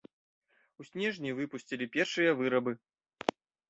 У снежні выпусцілі першыя вырабы.